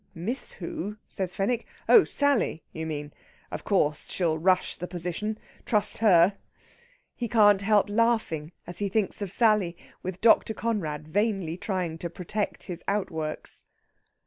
"Miss who?" says Fenwick. "Oh Sally, you mean! Of course she'll rush the position. Trust her!" He can't help laughing as he thinks of Sally, with Dr. Conrad vainly trying to protect his outworks.